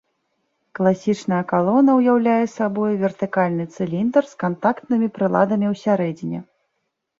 Класічная калона ўяўляе сабою вертыкальны цыліндр з кантактнымі прыладамі ўсярэдзіне.